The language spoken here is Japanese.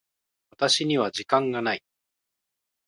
私には時間がない。